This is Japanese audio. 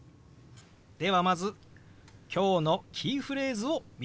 ではまず今日のキーフレーズを見てみましょう。